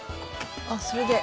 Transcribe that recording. あっそれで。